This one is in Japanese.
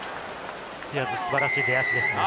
スピアーズ、素晴らしい出足ですね。